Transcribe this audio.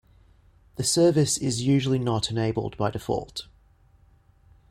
The service is usually not enabled by default.